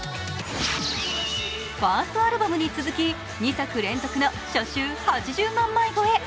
ファーストアルバムに続き、２作連続の初週８０万枚超え。